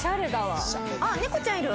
あっ猫ちゃんいる！